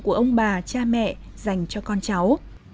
của ông bà cha mẹ dành cho con cháu